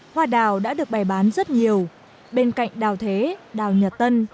hoa đào đã được bày bán rất nhiều bên cạnh đào thế đào nhật tân